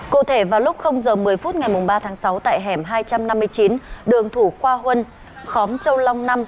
cụ thể vào lúc giờ một mươi phút ngày ba tháng sáu tại hẻm hai trăm năm mươi chín đường thủ khoa huân khóm châu long năm